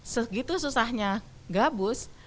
segitu susahnya gabus